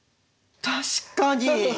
確かに！